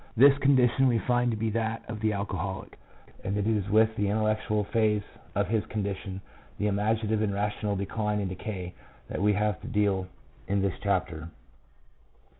This condition we find to be that of the alcoholic, and it is with the intellectual phase of his condition, the imaginative and rational decline and decay, that we have to deal in this chapter.